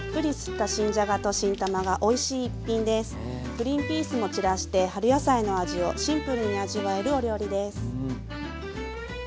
グリンピースも散らして春野菜の味をシンプルに味わえるお料理です。